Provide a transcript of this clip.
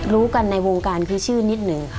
รู้กันในวงการคือชื่อนิดหนึ่งค่ะ